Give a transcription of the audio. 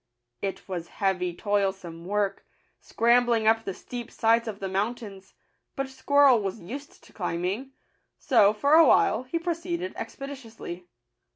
It was heavy toilsome work, scrambling up the steep sides of the mountains ; but Squirrel was used to climbing ; so, for a while, he proceeded expeditiously.